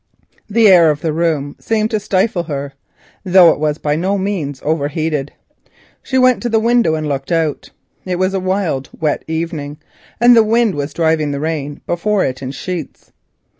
The air of the room seemed to stifle her, though it was by no means overheated. She went to the window and looked out. It was a wild wet evening, and the wind drove the rain before it in sheets.